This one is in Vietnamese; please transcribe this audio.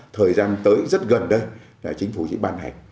thời gian tới rất gần đây chính phủ sẽ bàn hạch